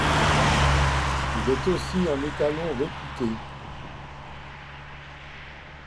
Il est aussi un étalon réputé.